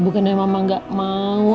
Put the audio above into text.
bukan dari mama gak mau